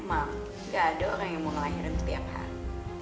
memang gak ada orang yang mau ngelahirin setiap hari